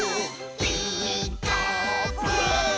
「ピーカーブ！」